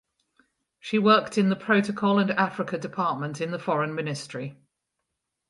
She worked in the Protocol and Africa Department in the foreign ministry.